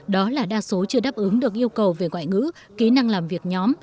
đó là đa số chưa đáp ứng được yêu cầu về ngoại ngữ kỹ năng làm việc nhóm